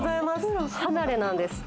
離れなんです。